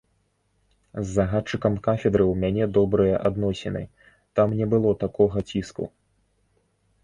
З загадчыкам кафедры ў мяне добрыя адносіны, там не было такога ціску.